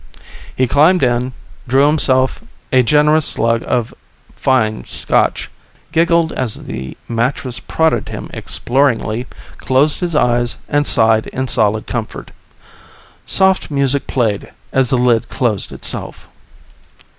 He climbed in, drew himself a generous slug of fine Scotch, giggled as the mattress prodded him exploringly, closed his eyes and sighed in solid comfort. Soft music played as the lid closed itself.